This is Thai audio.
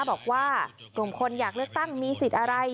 บอกว่ากลุ่มคนอยากเลือกตั้งมีสิทธิ์อะไร